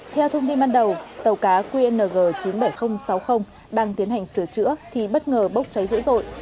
theo thông tin ban đầu tàu cá qng chín mươi bảy nghìn sáu mươi đang tiến hành sửa chữa thì bất ngờ bốc cháy dữ dội